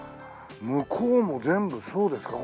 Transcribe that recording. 向こうも全部そうですか？